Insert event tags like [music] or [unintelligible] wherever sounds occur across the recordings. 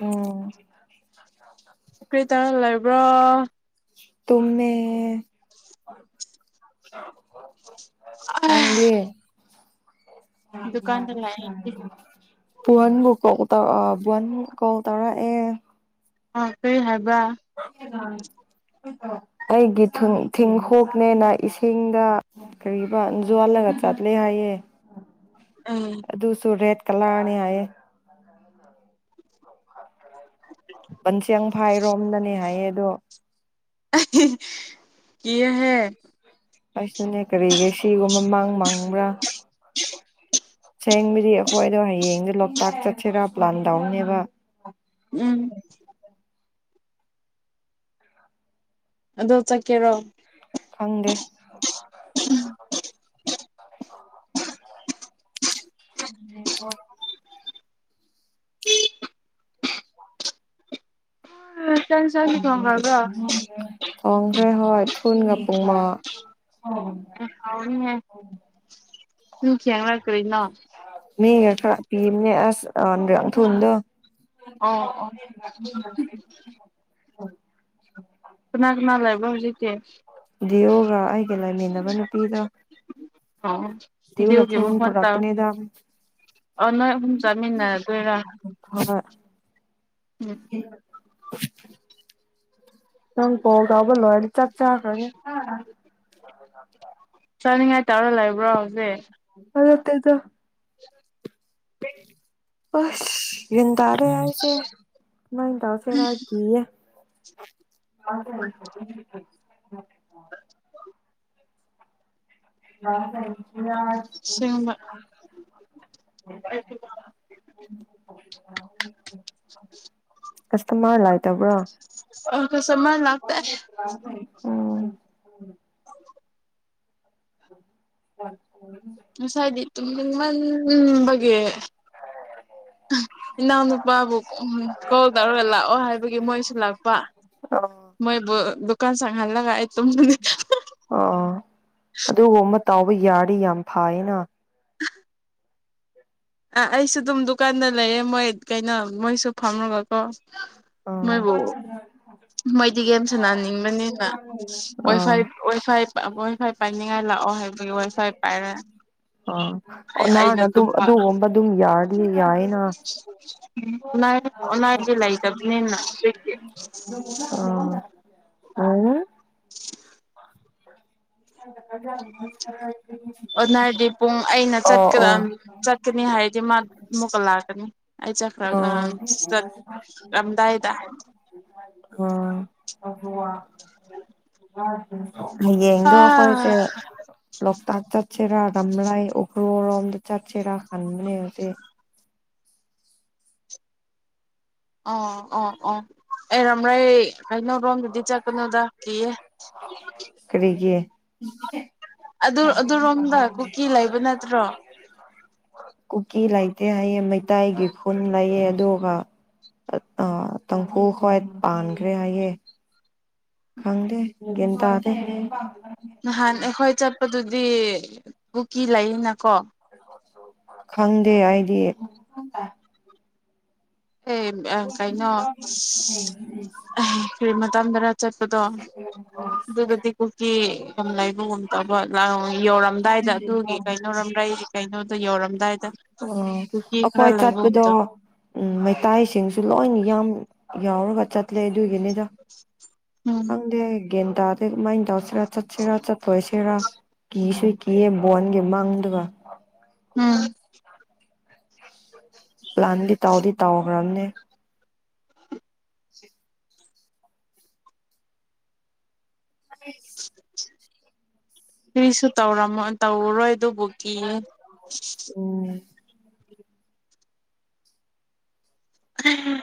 ꯎꯝ ꯀ꯭ꯔꯤ ꯇꯂ ꯑꯗꯨꯕ꯭ꯔꯣ ꯇꯨꯝꯃꯦ ꯅꯪꯗꯤ ꯗꯨꯀꯥꯟꯗ ꯂꯩ ꯄꯍꯟꯕꯨ ꯀꯣ ꯇꯧ ꯕꯟ ꯀꯣꯜ ꯇꯧꯔꯛꯑꯦ ꯑꯣ ꯁ ꯍꯥꯏ ꯍ ꯍ ꯑꯩꯒꯤ ꯊ ꯊꯤꯡ ꯍꯣꯛꯅꯦꯅ ꯏꯁꯤꯡꯗ ꯀꯔꯤꯕ ꯌꯖꯣꯜꯂꯒ ꯆꯠꯂꯦ ꯍꯥꯏꯌꯦꯦ ꯑꯦ ꯑꯗꯨꯁꯨ ꯔꯦꯠ ꯀꯂꯥꯅꯤꯌꯦ ꯗꯣ ꯀꯍꯦ ꯑꯩꯁꯅꯅꯦ ꯀꯔꯤꯒꯤ ꯁꯤꯒꯨꯝꯕ ꯃꯥꯡ ꯃꯥꯡꯕ꯭ꯔꯥ [unintelligible] ꯁꯦꯡꯕꯗꯤ ꯑꯩꯈꯣꯏꯗꯣ ꯍꯌꯦꯡꯗ ꯂꯣꯛꯇꯥꯛ ꯆꯠꯁꯤꯔ ꯄ꯭ꯂꯥꯟ ꯇꯧꯅꯦꯕ ꯎꯝ ꯑꯗꯣ ꯆꯀꯦꯔꯣ ꯐꯪꯗꯦ [unintelligible] ꯎꯝ ꯎꯝ ꯈꯣꯡꯈ꯭ꯔꯦ ꯍ ꯊꯨꯒ ꯄꯨꯨꯡꯃ ꯑꯦ ꯍꯥꯎꯅꯤꯍꯦ ꯅꯪ ꯊꯦꯡꯂ ꯀꯔꯤꯅꯣ ꯃꯤ ꯌꯥ ꯈꯔ ꯄꯤꯝꯅꯦ ꯑ [unintelligible] ꯊꯗ ꯑꯣ ꯑꯣ ꯑ [unintelligible] ꯖꯤꯇ ꯗꯤꯌꯨꯒ ꯑꯩꯒ ꯂꯩꯃꯤꯟꯅꯕ ꯅꯨꯄꯤꯗꯣ ꯑꯣ ꯗꯤꯌꯎꯅ ꯗꯤꯎꯒꯤ ꯊꯦꯡꯅ ꯃꯈꯣꯟ ꯇꯥꯎ ꯄꯨꯔꯛꯄꯅꯦꯗ ꯑꯣ ꯅꯣꯏ ꯑꯍꯨꯝ ꯆꯥꯃꯤꯟꯅꯗꯣꯏꯔꯥ ꯍꯣꯏ ꯎꯝ ꯎꯝ ꯅꯪ ꯀꯒꯕ ꯂꯣ ꯆꯞ ꯆꯥꯈꯅꯤ ꯑꯗꯨ ꯆꯥꯅꯤꯡꯉꯥꯏ ꯇꯧꯔ ꯂꯩꯕ꯭ꯔꯣ ꯍꯧꯖꯤꯛ ꯑꯗ ꯇꯦꯗ ꯍ ꯑꯁ ꯌꯦꯗ ꯁꯦ ꯃꯗ ꯐꯔ ꯍꯥꯏꯒ ꯑ ꯑ ꯍ ꯁꯤꯕ ꯀꯁ ꯃꯥꯂ ꯍꯥꯏꯇꯕ꯭ꯔꯥ ꯑ ꯀꯁꯇꯃꯔ ꯂꯥꯛꯇꯦ ꯎꯝ ꯎꯝ [unintelligible] ꯎ ꯁꯥꯏꯗꯤ ꯇ ꯃ ꯑꯃꯒꯤꯒꯤ ꯏꯅꯥꯎꯅꯨꯄꯥꯕꯨ ꯀꯣꯜ ꯇꯧꯔꯒ ꯂꯥꯛꯑꯣ ꯍꯥꯏꯕꯒꯤ ꯃꯣꯏꯁꯨ ꯂꯥꯛꯄ ꯑꯣ ꯃꯣꯏꯕꯨ ꯗꯨꯀꯥꯟ ꯁꯪꯍꯜꯂꯒ ꯑꯩ ꯇꯨꯝꯕꯅꯤ ꯑꯗꯨꯒ ꯑꯃ ꯇꯥꯎꯕ ꯌꯥꯔ ꯌꯥꯝ ꯐꯥꯏꯌꯦꯅ ꯑ ꯑꯩꯁꯨ ꯑꯗꯨꯝ ꯗꯨꯀꯥꯟꯗ ꯂꯩꯔꯦ ꯃꯣꯏ ꯀꯩꯅꯣ ꯃꯣꯏꯁꯨ ꯐꯝꯔꯒꯀꯣ ꯑꯥ ꯃꯣꯏꯕꯨ ꯃꯣꯏꯗꯤ ꯒꯦꯝꯁꯦ ꯅꯥꯅꯤꯡꯕꯅꯤꯅ ꯋꯥꯏ ꯑꯥ ꯐꯥꯏ ꯋꯥꯏ ꯐꯥꯏ ꯕꯣꯏ ꯐꯣꯏ ꯄꯥꯏꯅꯤꯡꯉꯥꯏ ꯂꯥꯛꯑꯣ ꯍꯥꯏꯕꯒꯤ ꯋꯥꯏꯐꯥꯏ ꯄꯥꯏꯔꯦ ꯑꯥ ꯑꯣ ꯑꯩ ꯅꯍꯥꯟꯅ ꯑꯩꯅ ꯑꯗꯨꯝ ꯇꯨꯝꯕ ꯑꯗꯨꯒꯨꯝꯕ ꯑꯗꯨꯝ ꯌꯥꯔ ꯌꯥꯏꯅ ꯑꯣꯟꯂꯥꯏꯟ ꯑꯣꯟꯂꯥꯏꯟꯗꯤ ꯂꯩꯇꯕꯅꯤꯅ ꯍꯧꯖꯤꯛꯇꯤ ꯑ ꯑ ꯗꯉ [unintelligible] ꯑꯣꯅꯔꯗꯤ ꯄꯨꯡ ꯑꯩꯅꯀ ꯑꯣ ꯑꯣ ꯆꯠꯀꯅꯤ ꯍꯥꯏꯔꯗꯤ ꯃꯥ ꯑꯃꯨꯛꯀ ꯂꯥꯛꯀꯅꯤ ꯑꯩ ꯆꯠꯈ꯭ꯔꯒ ꯑꯣ ꯆꯠꯂꯝꯝꯗꯥꯏꯗ ꯍ [unintelligible] ꯍꯌꯦꯡ ꯘꯣ ꯑꯥ ꯈꯣꯏꯁꯦ ꯂꯣꯛ ꯇꯥꯛ ꯆꯠꯆꯦꯔ ꯔꯝꯔꯥꯏ ꯀꯣ ꯔꯣꯝꯗ ꯆꯠꯆꯦꯔꯥ ꯈꯟꯕꯅꯦ ꯍꯧꯖꯤꯦ ꯑꯣ ꯑꯣ ꯑꯣ ꯑꯩꯔꯝꯔꯩ ꯀꯩꯅꯣ ꯔꯣꯝꯗꯗꯤ ꯆꯠꯀꯅꯨꯗ ꯀ ꯎꯝ ꯑꯗꯨ ꯑꯗꯨꯔꯣꯝꯗ ꯀꯨꯀꯤ ꯂꯩꯕ ꯅꯠꯇ꯭ꯔꯣ ꯀꯨꯀꯤ ꯂꯩꯇꯦ ꯍꯥꯏꯌꯦꯦ ꯃꯩꯇꯩꯒꯤ ꯈꯨꯟ ꯂꯩꯑꯦ ꯑꯗꯨꯒ ꯇꯝꯐꯨ ꯈ꯭ꯋꯥꯏ ꯄꯥꯟꯈ꯭ꯔꯦ ꯍꯥꯏꯑꯦ ꯈꯪꯗ ꯒꯤꯗꯥꯗ ꯑꯗꯨꯗꯤ ꯀꯀꯤ ꯂꯩꯅꯀꯣ ꯈꯪꯗꯦ ꯑꯩꯗꯤ ꯑꯦ ꯀꯩꯅꯣꯔꯤ ꯇꯝ꯭ꯔ ꯆꯠꯄꯗꯣ ꯑꯗꯨꯒꯗꯤ ꯀꯨꯀꯤ ꯀꯝ ꯂꯩ ꯂꯒꯨꯝꯇꯕ ꯌꯧꯔꯝꯗꯥꯏꯗ ꯑꯗꯨꯒꯤ ꯀꯩꯅꯣꯔꯝ꯭ꯔ ꯑꯩꯒꯤ ꯀꯩꯅꯣꯗꯣ ꯌꯧꯔꯝꯗꯥꯏꯗ ꯑꯣ ꯀꯨꯀꯤ ꯈꯔ ꯑꯩꯈꯣꯏ ꯂꯩꯕꯒꯨꯝꯗꯣ ꯑꯇꯥꯏꯁꯤꯡꯁꯨ ꯂꯣꯏꯅ ꯌꯥꯝ ꯌꯥꯎꯔꯒ ꯆꯠꯂꯦ ꯑꯗꯨꯒꯤꯅꯤꯗ ꯎꯝ ꯍꯪꯗꯦꯦ ꯃꯥꯏ ꯍꯤꯟꯗꯎꯁꯤ꯭ꯔ ꯠ ꯁꯦꯔꯥ ꯆꯠ ꯇꯣꯏ ꯁꯦꯔꯥ ꯀ ꯁꯣꯏ ꯀ ꯕꯣꯟꯒꯦ ꯃꯥꯡꯗꯕ ꯎꯝ ꯄ꯭ꯂꯥꯟꯂꯤ ꯇꯥꯎꯔꯤ ꯇꯥꯎꯒ꯭ꯔꯝꯅꯦ ꯁꯤ [unintelligible] ꯀꯔꯤꯁꯨ ꯇꯧꯔꯝꯃ ꯇꯧꯔꯔꯣꯏ ꯑꯗꯨꯕꯨꯒꯤ ꯎꯝ ꯎꯝ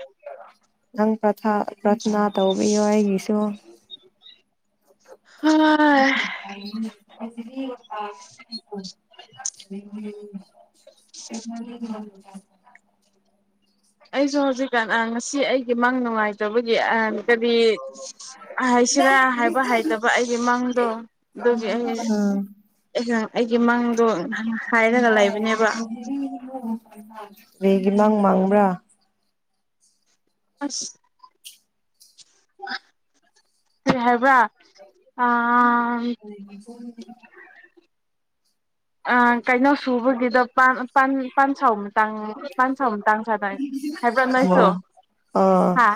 ꯅꯪ ꯄ꯭ꯔꯊ ꯄ꯭ꯔꯊꯅꯥ ꯇꯧꯕꯤꯌꯣ ꯑꯩꯒꯤꯁꯨ ꯍꯥ [unintelligible] [unintelligible] [unintelligible] ꯑꯩꯁꯨ ꯍꯧꯖꯤꯛꯀꯥꯟ ꯑ ꯉꯁꯤ ꯑꯩꯒꯤ ꯃꯪ ꯅꯨꯡꯉꯥꯏꯇꯕꯒꯤ ꯑ ꯀ꯭ꯔꯤ ꯍꯥꯏꯁꯤꯔꯥ ꯍꯥꯏꯕ ꯍꯩꯇꯕ ꯑꯩꯒꯤ ꯃꯪꯗꯣ ꯑꯗꯨꯒꯤ ꯑꯩ ꯎꯝ ꯑꯩꯅꯥ ꯑꯩꯒꯤ ꯃꯪꯗꯣ ꯍꯥꯏꯔꯒ ꯂꯩꯕꯅꯦꯕ [unintelligible] ꯔꯦꯒꯤ ꯂꯥꯡ ꯃꯥꯡꯕ꯭ꯔꯥ ꯑꯁ ꯀ꯭ꯔꯤ ꯍꯥꯏꯕ꯭ꯔꯥ ꯑꯥ ꯑ ꯀꯩꯅꯣ ꯁꯨꯕꯒꯤꯗ ꯄꯥꯟ ꯄꯥꯟ ꯄꯥꯟ ꯁꯥꯎ ꯇꯥꯡ ꯄꯥꯟ ꯁꯥꯎꯇꯥꯡ ꯁ꯭ꯋꯥꯏꯗ ꯍꯥꯏꯕ꯭ꯔꯥ ꯑꯣ ꯅꯣꯏꯁꯨ ꯑꯥ ꯍꯥ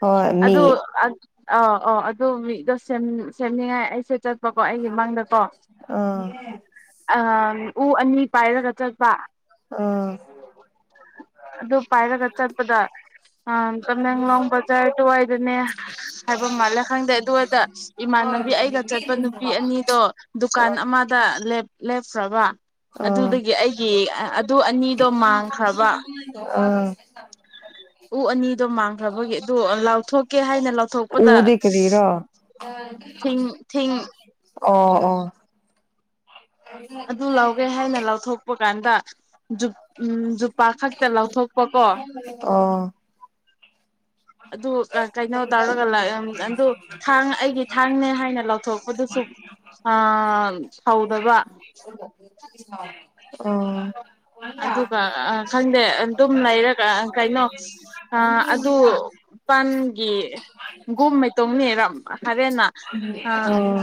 ꯍꯣꯏ ꯃꯤ ꯑꯗꯨ ꯑ ꯑ ꯑ ꯑꯗꯨ ꯃꯤꯗꯣ ꯁꯦꯝꯅꯤꯡ ꯁꯦꯝꯅꯤꯡꯉꯥꯏ ꯑꯩꯁꯨ ꯆꯠꯄꯀꯣ ꯑꯩꯒꯤ ꯑꯥ ꯑ ꯎ ꯑꯅꯤ ꯄꯥꯏꯔꯒ ꯆꯠꯄ ꯑꯥ ꯑꯗꯨ ꯄꯥꯏꯔꯒ ꯆꯠꯄꯗ ꯑ ꯇꯃꯦꯡꯂꯣꯡ ꯕꯖꯥꯔ ꯑꯗꯨꯋꯥꯏꯗꯅꯦ ꯍꯥꯏꯕ ꯃꯥꯜꯂꯦ ꯈꯪꯗꯦ ꯑꯗꯨꯋꯥꯏꯗ ꯏꯃꯥꯟꯅꯕꯤ ꯑꯩꯒ ꯆꯠꯄ ꯅꯨꯄꯤ ꯑꯅꯤꯗꯣ ꯗꯨꯀꯥꯟ ꯑꯃꯗ ꯂꯦꯞ ꯂꯦꯞꯄ꯭ꯔꯥꯕ ꯑꯥ ꯑꯗꯨꯗꯒꯤ ꯑꯩꯒꯤ ꯑ ꯑꯗꯨ ꯑꯅꯤꯗꯣ ꯃꯥꯡꯈ꯭ꯔꯕ ꯑꯥ ꯎ ꯑꯅꯤꯗꯣ ꯃꯥꯡꯈ꯭ꯔꯕꯒꯤ ꯑꯗꯨ ꯂꯥꯎꯊꯣꯛꯀꯦ ꯍꯥꯏꯅ ꯂꯥꯎꯊꯣꯛꯄꯗ ꯎꯗꯤ ꯀꯔꯤꯔꯣ ꯊꯤꯡ ꯊꯤꯡ ꯑꯣ ꯑꯣ ꯑꯗꯨ ꯂꯥꯎꯒꯦ ꯍꯥꯏꯅ ꯂꯥꯎꯊꯣꯛꯄ ꯀꯥꯟꯗ ꯖꯨꯞ ꯎꯝ ꯖꯨꯄꯥ ꯈꯛꯇ ꯂꯥꯎꯊꯣꯛꯄ ꯀꯣ ꯑꯣ ꯑꯗꯨ ꯔꯥ ꯀꯩꯅꯣ ꯇꯧꯔꯒ ꯂꯥꯛꯑꯦꯝ ꯑꯗꯨ ꯊꯥꯡ ꯑꯩꯒꯤ ꯊꯥꯡꯅꯦ ꯍꯥꯏꯅ ꯂꯥꯎꯊꯣꯛꯄꯗꯨꯁꯨ ꯑꯥ ꯍꯧꯗꯕ ꯑꯣ ꯑꯗꯨꯒ ꯑ ꯈꯪꯗꯦ ꯑꯗꯨꯝ ꯂꯩꯔꯒ ꯑ ꯀꯩꯅꯣ ꯁꯍ ꯑ ꯑꯗꯨ ꯄꯥꯟꯒꯤ ꯒꯨꯝ ꯃꯩꯇꯣꯡꯅꯤ ꯔꯥꯝ ꯍꯔꯦꯟꯅ ꯑ ꯑꯣ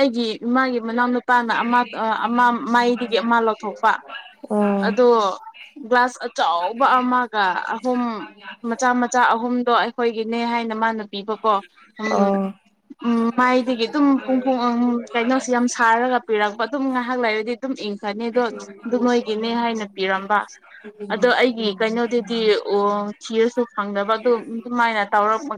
ꯑꯩꯒꯤ ꯏꯃꯥ ꯃꯅꯥꯎ ꯅꯨꯄꯥꯅ ꯑꯃ ꯑ ꯑꯃ ꯃꯥꯏꯗꯒꯤ ꯑꯃ ꯂꯧꯊꯣꯛ ꯑꯣ ꯑꯗꯣ ꯒ꯭ꯂꯥꯁ ꯑꯆꯧꯕ ꯑꯃꯒ ꯑꯍꯨꯝ ꯃꯆꯥ ꯃꯆꯥ ꯑꯍꯨꯝꯗꯣ ꯑꯩꯈꯣꯏ ꯅꯦ ꯍꯥꯏꯅ ꯃꯥ ꯄꯤꯕꯀꯣ ꯎ ꯑ ꯎ ꯃꯥꯏꯗꯒꯤ ꯑꯗꯨꯝ ꯈꯣꯡ ꯐꯣꯡ ꯀꯩꯅꯣꯁ ꯌꯥꯝ ꯁꯥꯔꯒ ꯄꯤꯔꯛꯄ ꯑꯗꯨꯝ ꯉꯥꯏꯍꯥꯛ ꯂꯩꯥꯏꯔꯗꯤ ꯑꯗꯨꯝ ꯏꯪ ꯆꯅꯤ ꯑꯗꯨꯣ ꯑꯗꯨ ꯃꯣꯏꯒꯤꯅꯦ ꯍꯥꯏꯅ ꯄꯤꯔꯝꯕ ꯑꯗꯣ ꯑꯩꯒꯤ ꯀꯩꯅꯣꯗꯗꯤ ꯑꯣ ꯊꯤꯔꯁꯨ ꯐꯪꯗꯕ ꯑꯗꯨ ꯑꯗꯨꯃꯥꯏꯅ ꯇꯧꯔꯛꯄ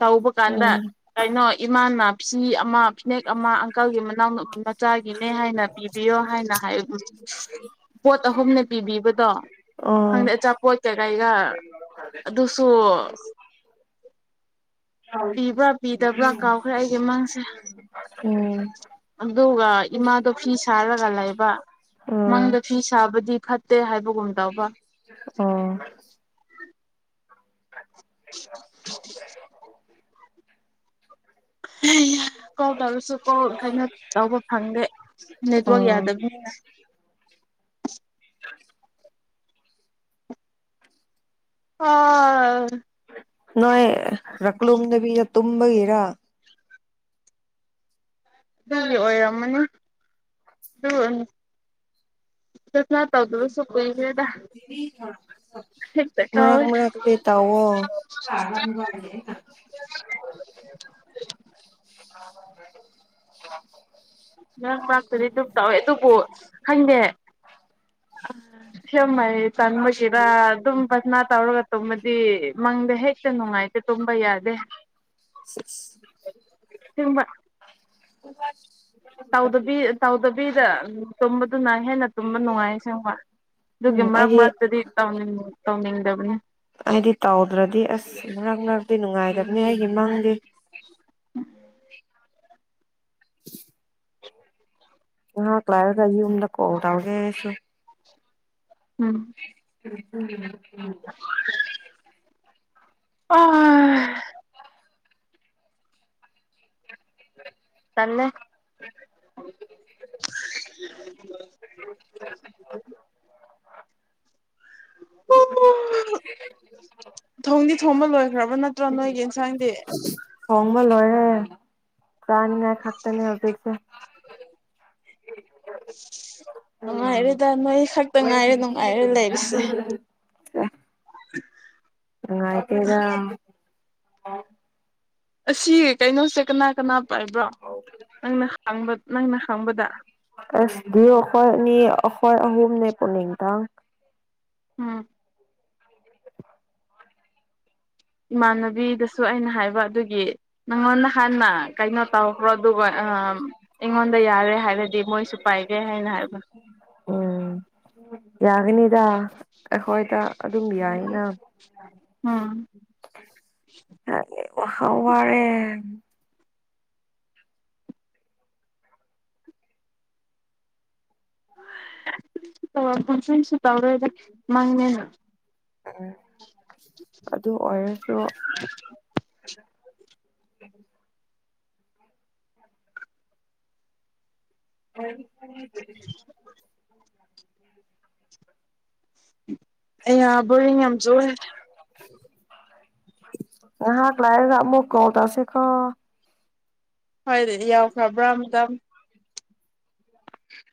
ꯇꯧꯕ ꯀꯥꯟꯗ ꯎꯝ ꯀꯩꯅꯣ ꯏꯃꯥꯅ ꯆ ꯑꯃ ꯐꯅꯦꯛ ꯑꯃ ꯑꯪꯀꯜꯒꯤ ꯃꯅꯥꯎ ꯃꯆꯥꯒꯤꯅꯦ ꯍꯥꯏꯅ ꯄꯤꯕꯤꯌꯣ ꯍꯥꯏꯅ ꯍꯥꯏ ꯄꯣꯠ ꯑꯍꯨꯝꯅ ꯄꯤꯕꯤꯕꯗꯣ ꯑ ꯈꯪꯗꯦ ꯑꯆꯥꯄꯣꯠ ꯀꯩꯀꯩꯒ ꯑꯗꯨꯁꯨ [inaudible] ꯄꯤꯕ꯭ꯔꯥ ꯄꯤꯗꯕ꯭ꯔꯥ ꯀꯥꯎꯈ꯭ꯔꯦ ꯑꯩꯒꯤ ꯃꯪꯁꯦ ꯎꯝ ꯑꯗꯨꯒ ꯏꯃꯥꯗꯣ ꯐꯤ ꯁꯥꯔꯒ ꯂꯩꯕ ꯃꯪꯗ ꯐꯤ ꯁꯥꯕꯗꯤ ꯐꯠꯇꯦ ꯍꯥꯏ ꯑ [unintelligible] ꯀꯣꯜ ꯇꯧꯔꯁꯨ ꯀꯣꯜ ꯀꯩꯅꯣ ꯇꯧꯕ ꯐꯪꯗꯦ ꯅꯦꯠꯋꯔꯥꯛ ꯑꯣ ꯌꯥꯗꯕꯅꯤꯅ [unintelligible] ꯑꯣ ꯅꯣꯏ ꯔꯛꯂꯨꯗꯕꯤꯅ ꯇꯨꯝꯕꯒꯤꯔ ꯑꯗꯨꯒꯤ ꯑꯣꯏꯔꯝꯃꯅꯤ ꯉ ꯇꯧꯗꯁꯨ ꯀꯣꯏꯦꯗ ꯃꯔꯛ ꯇꯋꯦ ꯃꯔꯛꯇꯤ ꯇꯧꯋꯣ ꯉꯔꯥꯡ ꯄꯥꯛꯇꯗꯤ ꯑꯗꯨꯝ ꯇꯧꯋꯦ ꯑꯗꯨꯕꯨ ꯈꯪꯗꯦ ꯑ ꯁꯦꯝꯃꯥꯏ ꯆꯪꯃꯁꯤꯤꯔ ꯑꯗꯨꯝ ꯐꯁꯅꯥ ꯇꯧꯒ ꯇ ꯗꯤ ꯃꯪꯗ ꯍꯦꯛꯇ ꯅꯨꯡꯉꯥꯏꯇ ꯇꯨꯝꯕ ꯌꯥꯗꯦ ꯑꯗꯨ ꯁꯤ ꯗꯕꯤ ꯇꯗꯕꯤꯗ ꯇꯨꯝꯕꯗꯨꯅ ꯍꯦꯟꯅ ꯇꯨꯝꯕ ꯅꯨꯡꯉꯥꯏꯁꯤꯡꯕ ꯑꯗꯨꯒꯤ ꯎꯝ ꯃꯔꯛ ꯑꯩꯗꯤ ꯃꯔꯛꯇꯗꯤꯅꯤꯡ ꯇꯧꯅꯤꯡꯉ ꯕꯅꯤꯅꯦ ꯍꯥꯏꯗꯤ ꯇꯧꯗ꯭ꯔꯗꯤ ꯑꯁ ꯉꯛ ꯅꯨꯡꯉꯥꯏꯗꯕꯅꯦ ꯑꯩꯒꯤ ꯃꯥꯡꯗꯦ ꯉꯍꯥꯛ ꯀ ꯂꯥꯏꯔꯒ ꯑꯩ ꯌ ꯌꯨꯝꯗ ꯀꯣ ꯇꯎꯒꯦꯁꯨ ꯎꯝ ꯎꯝ ꯎꯝ ꯎꯝ ꯑ ꯇꯜꯂ‌ꯦ [inaudible] ꯊꯣꯡꯗꯤ ꯊꯣꯡꯕ ꯂꯣꯏꯈ꯭ꯔꯕ ꯅꯠꯇ꯭ꯔꯣ ꯅꯣꯏꯒꯤ ꯌꯦꯟꯁꯥꯡꯗꯤ ꯊ‌ꯣꯡꯕ ꯂ‌ꯣꯏꯔꯦ ꯆꯥꯅꯤꯡꯉꯥꯏ ꯈꯥꯛꯇꯅꯦ ꯍꯧꯖꯤꯛꯁꯦ [inaudible] ꯅꯨꯡꯉꯥꯏꯔ‌ꯦꯗ ꯅꯣꯏ ꯈꯛꯇ ꯉꯥꯏꯔꯦ ꯅꯨꯡꯉꯥꯏꯔ ꯂꯩꯔꯤꯁꯦ ꯑꯦ ꯅꯨꯡꯉꯥꯏꯇꯦꯗ ꯑ [inaudible] ꯑꯁꯤ ꯀꯩꯅꯣꯁꯦ ꯀꯅꯥ ꯀꯅꯥ ꯄꯥꯏꯕ꯭ꯔꯣ ꯅꯪꯅ ꯍꯪꯕ ꯅꯪꯅ ꯍꯪꯕꯗ ꯑꯁ ꯗꯏꯑ‌ꯣꯈꯣꯏ ꯃꯤ ꯑꯈ‌ꯣꯏ ꯑꯍꯨꯝꯅꯦ ꯄꯨꯅꯤꯡꯗꯟ ꯎꯡ ꯏꯃꯥꯟꯅꯕꯤꯗꯁꯨ ꯑꯩꯅ ꯍꯥꯏꯕ ꯑꯗꯨꯒꯤ ꯅꯪꯉꯣꯟ ꯅ ꯍꯥꯟꯅ ꯀꯩꯅꯣ ꯇꯧꯈ꯭ꯔ‌ꯣ ꯑꯗꯨꯒ ꯑꯩꯉꯣꯟꯗ ꯌꯥꯔꯦ ꯍꯥꯏꯔꯗꯤ ꯃꯣꯏꯁꯨ ꯄꯥꯏꯒꯦ ꯍꯥꯏꯅ ꯍꯥꯏꯕ ꯎꯝ ꯌꯥꯒꯅꯤꯗ ꯎꯝ ꯍꯋꯥꯔꯦ ꯁꯨ ꯇꯧꯔꯣꯏꯗ ꯃꯪꯅꯦ ꯎꯝ ꯑꯗꯨ ꯑꯣꯏꯔꯁꯨ ꯎꯝ [inaudible] ꯍ [inaudible] [inaudible] ꯎꯝ [inaudible] [unintelligible] ꯉꯥꯏꯍꯥꯛ ꯂꯩꯔꯥꯒ ꯑꯃꯨꯛ ꯀ‌ꯣꯜ ꯇ‌ꯧꯁꯤ ꯀ‌ꯣ ꯍꯣꯏ ꯑꯗꯨꯗꯤ ꯌꯥꯎꯈ꯭ꯔꯕ꯭ꯔꯥ ꯑꯃꯇꯪ